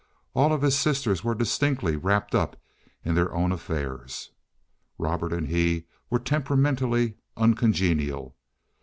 All of his sisters were distinctly wrapped up in their own affairs; Robert and he were temperamentally uncongenial.